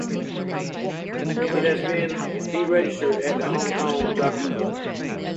It has been deregistered at the Hong Kong Jockey Club.